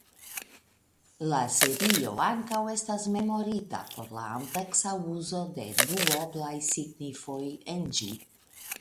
La serio ankaŭ estas memorita por la ampleksa uzo de duoblaj signifoj en ĝi.